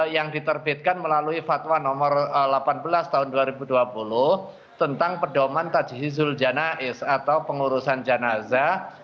yang diterbitkan melalui fatwa nomor delapan belas tahun dua ribu dua puluh tentang pedoman tajhi zul janais atau pengurusan jenazah